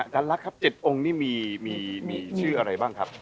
ท่านรักครับเจ็ดองค์นี้มีชื่ออะไรบ้างครับ